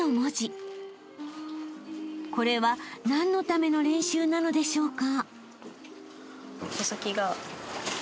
［これは何のための練習なのでしょうか？］